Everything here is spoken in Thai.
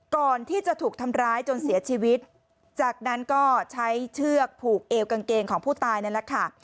ก่อนที่จะถูกทำร้ายจนเสียชีวิตจากนั้นก็ใช้เชือกผูกเอวกางเกงของผู้ตายนั่นแหละค่ะ